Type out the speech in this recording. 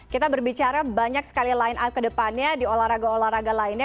kita berbicara banyak sekali line up ke depannya di olahraga olahraga lainnya